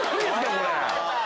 これ。